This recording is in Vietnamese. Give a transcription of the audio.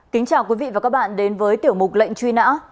kính chào quý vị và các bạn đến với tiểu mục lệnh truy nã